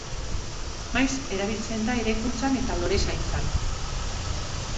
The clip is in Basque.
Maiz erabiltzen da eraikuntzan eta lorezaintzan.